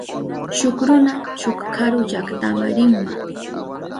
Shuk runa shuk karu llaktama rinma.